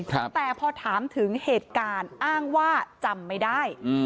แต่พอถามถึงเหตุการณ์อ้างว่าจำไม่ได้